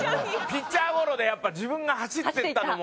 ピッチャーゴロでやっぱ自分が走っていったのも。